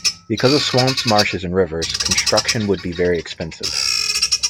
Because of swamps, marshes, and rivers, construction would be very expensive.